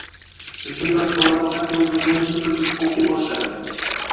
Bizga yosh bolalar xat yozmagani uchun qiziqib o`qiy boshladim